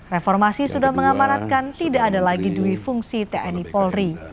reformasi sudah mengamanatkan tidak ada lagi dui fungsi tni polri